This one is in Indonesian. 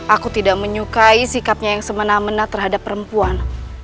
aku tidak menyukai sikapnya yang semena mena terhadap perempuan